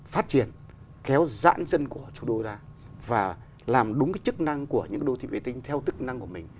phát triển kéo dãn dân của chủ đô ra và làm đúng cái chức năng của những đô thị vệ tinh theo tức năng của mình